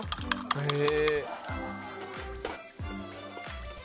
へえ。